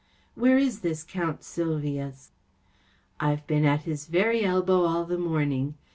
‚ÄĚ 44 Where is this Count Sylvius ? ‚ÄĚ 44 I've been at his very elbow all the morning.